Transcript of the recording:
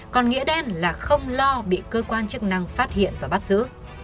còn nghĩa đen là không lo bị cơ quan chức năng phát hiện và bắt giữ